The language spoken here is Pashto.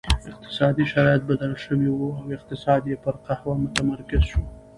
اقتصادي شرایط بدل شوي وو او اقتصاد یې پر قهوه متمرکز شو.